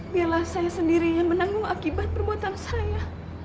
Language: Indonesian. biarlah saya sendirian menanggung akibat perbuatan saya